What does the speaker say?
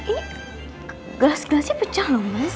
ini gas gelasnya pecah loh mas